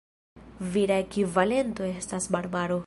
Vira ekvivalento estas Barbaro.